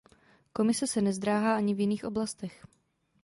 Komise se nezdráhá ani v jiných oblastech.